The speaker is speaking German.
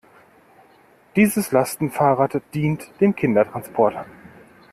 Dieses Lastenfahrrad dient dem Kindertransport.